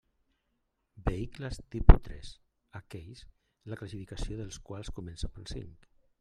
Vehicles tipus tres: aquells la classificació dels quals comence per cinc.